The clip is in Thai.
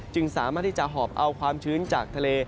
สามารถที่จะหอบเอาความชื้นจากทะเล